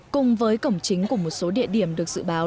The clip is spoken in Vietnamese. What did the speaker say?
cùng với cổng chính của một số địa điểm được dự báo